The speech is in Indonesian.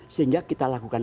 sehingga kita lakukan